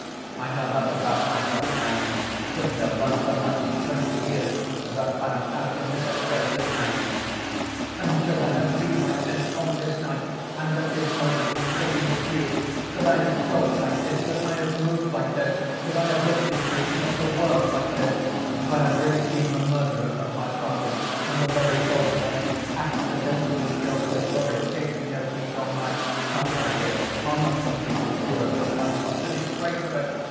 I know that about myself now. I couldn't have learnt so much in twenty years as I've found out in this accursed night!... And should I have been like this on this night, and at this moment, sitting with you, could I have talked like this, could I have moved like this, could I have looked at you and at the world like this, if I had really been the murderer of my father, when the very thought of having accidentally killed Grigory gave me no peace all night—not from fear—oh, not simply from fear of your punishment! The disgrace of it!